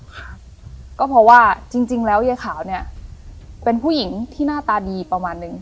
ครับก็เพราะว่าจริงจริงแล้วยายขาวเนี้ยเป็นผู้หญิงที่หน้าตาดีประมาณนึง